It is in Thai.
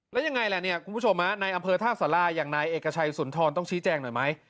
แล้วยังไงล่ะเนี่ยคุณผู้ชมในอำเภอท่าสาราอย่างนายเอกชัยสุนทรต้องชี้แจงหน่อยไหม